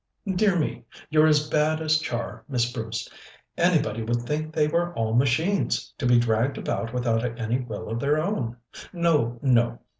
"Dear me, you're as bad as Char, Miss Bruce. Anybody would think they were all machines, to be dragged about without any will of their own. No, no!